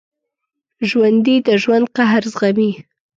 ژوندي د ژوند قهر زغمي